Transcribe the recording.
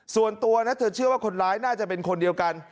ส่วนตัวนะเธอเชื่อว่าคนร้ายน่าจะเป็นคนเดียวกัน